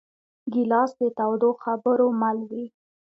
ګیلاس د تودو خبرو مل وي.